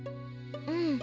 うん。